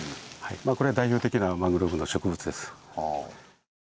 これが代表的なマングローブの植物です。